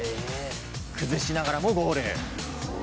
崩しながらもゴール。